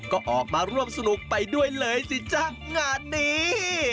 ก็ออกมาร่วมสนุกไปด้วยเลยสิจ๊ะงานนี้